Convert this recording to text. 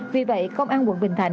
vì vậy công an quận bình thành